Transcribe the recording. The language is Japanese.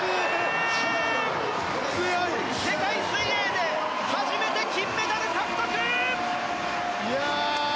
世界水泳で初めて金メダル獲得！